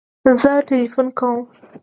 زه تلیفون کوم